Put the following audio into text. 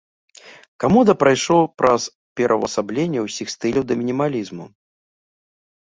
Камода прайшоў праз пераўвасабленне ўсіх стыляў да мінімалізму.